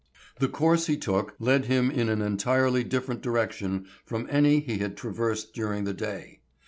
The course he took led him in an entirely different direction from any he had traversed during the day.